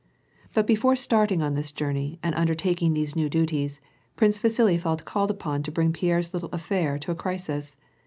But before starting on this journey and undertaking these new duties. Prince Vasili felt called ujion to bring IMerre's little affair to a crisis.